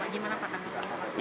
bagaimana pak tati